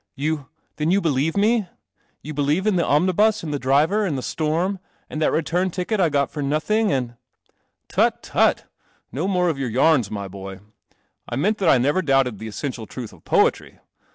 "You — then you believe me? You believe in the omnibus and the driver and the storm and that return ticket I got for nothing and "" Tut, tut ! No more of your yarns, my boy. I meant that I never doubted the essential truth of Poetry.